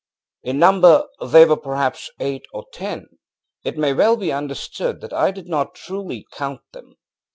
In number they were perhaps eight or tenŌĆöit may well be understood that I did not truly count them.